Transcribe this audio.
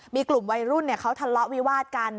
มีกลุ่มวัยรุ่นเขาทะเลาะวิวาดกัน